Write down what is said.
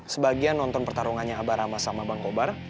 sebagian nonton pertarungannya abah rama sama bang kobar